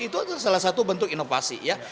itu adalah salah satu bentuk inovasi ya